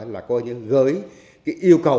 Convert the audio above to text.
là coi như gửi đến các trại làm rõ và đậm thợ